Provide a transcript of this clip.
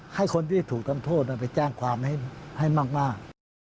ให้คนที่ถูกทำโทษไปแจ้งความให้มาก